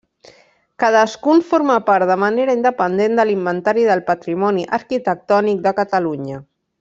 Cadascun forma part de manera independent de l'Inventari del Patrimoni Arquitectònic de Catalunya.